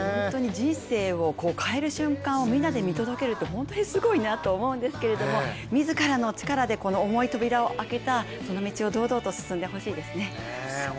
人生を変える瞬間をみんなで見届けるって本当にすごいなと思うんですけれども自らの力でこの重い扉を開けたその道を堂々と進んでほしいですね。